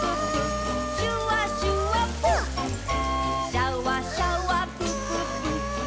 「シャワシャワプププ」ぷー。